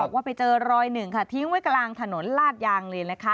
ว่าไปเจอรอยหนึ่งทีมไว้กลางถนนลาดยางเลน